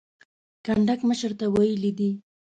کنډک مشر ته ویلي دي.